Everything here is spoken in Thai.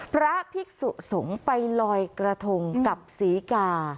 พระภิกษุสงฆ์ไปลอยกระทงกับศรีกา